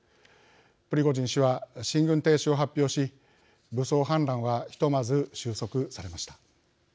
プリゴジン氏は進軍停止を発表し武装反乱はひとまず収束されました。